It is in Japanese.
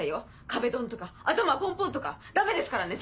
壁ドンとか頭ポンポンとかダメですからね